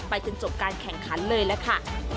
จนจบการแข่งขันเลยล่ะค่ะ